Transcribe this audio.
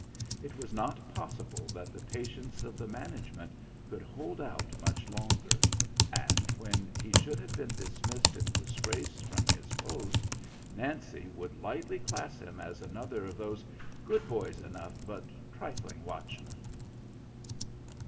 It was not possible that the patience of the management could hold out much longer; and when he should have been dismissed in disgrace from his post, Nancy would lightly class him as another of those "good boys enough, but trifling watchmen."